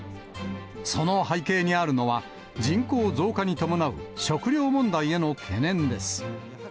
その背景にあるのは、人口増加に伴う食料問題への懸念です。